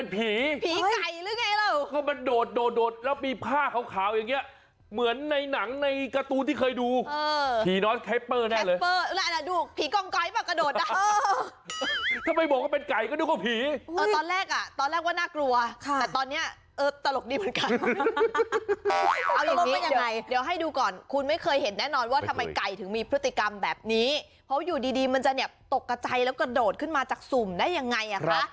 ไปไก่ถึงมีพฤติกรรมแบบนี้เพราะว่าอยู่ดีมันจะเนี่ยตกกระจายแล้วกระโดดขึ้นมาจากสุ่มได้ยังไงอ่ะค่ะ